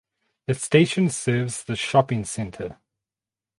The station serves the shopping center.